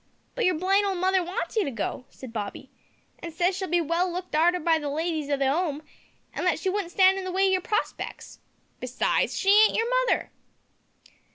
"But yer blind old mother wants you to go," said Bobby, "an' says she'll be well looked arter by the ladies of the 'Ome, and that she wouldn't stand in the way o' your prospec's. Besides, she ain't yer mother!"